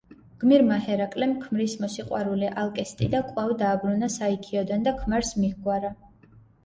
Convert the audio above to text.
გმირმა ჰერაკლემ ქმრის მოსიყვარულე ალკესტიდა კვლავ დააბრუნა საიქიოდან და ქმარს მიჰგვარა.